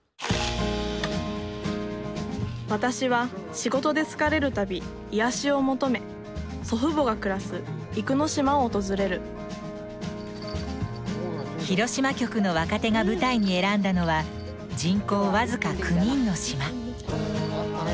私は仕事で疲れる度癒やしを求め祖父母が暮らす生野島を訪れる広島局の若手が舞台に選んだのは人口僅か９人の島。